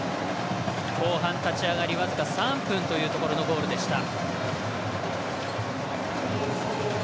後半、立ち上がり僅か３分というところのゴールでした。